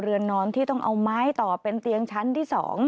เรือนนอนที่ต้องเอาไม้ต่อเป็นเตียงชั้นที่๒